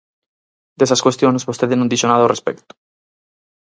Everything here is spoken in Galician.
Desas cuestións vostede non dixo nada ao respecto.